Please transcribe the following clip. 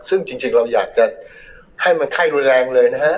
ซึ่งจริงเราอยากจะให้มันไข้รุนแรงเลยนะฮะ